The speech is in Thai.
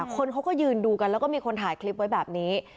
คนเขาก็ยืนดูกันแล้วก็มีคนถ่ายคลิปไว้แบบนี้